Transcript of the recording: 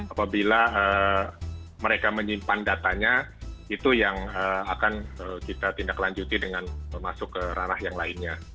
apabila mereka menyimpan datanya itu yang akan kita tindak lanjuti dengan masuk ke ranah yang lainnya